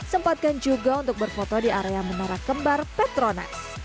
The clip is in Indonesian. sempatkan juga untuk berfoto di area menara kembar petronas